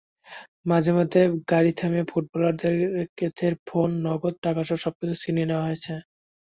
মাঝপথে গাড়ি থামিয়ে ফুটবলারদের ফোন, নগদ টাকাসহ সবকিছুই ছিনিয়ে নেওয়া হয়েছে।